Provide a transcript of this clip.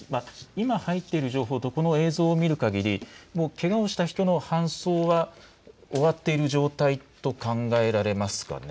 今入っている情報とこの映像を見るかぎり、もうけがをした人の搬送は終わっている状態と考えられますかね。